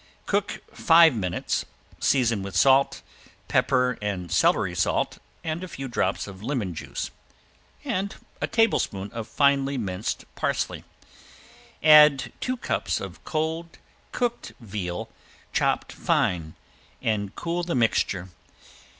Cook five minutes, season with salt, pepper and celery salt, and a few drops of lemon juice, and a tablespoon of finely minced parsley. Add two cups of cold cooked veal chopped fine and cool the mixture.